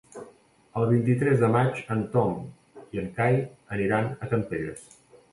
El vint-i-tres de maig en Tom i en Cai aniran a Campelles.